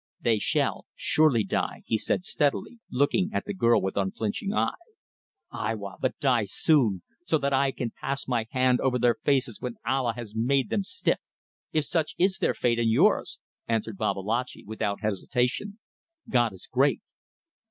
"They shall, surely, die," he said steadily, looking at the girl with unflinching eye. "Ay wa! But die soon! So that I can pass my hand over their faces when Allah has made them stiff." "If such is their fate and yours," answered Babalatchi, without hesitation. "God is great!"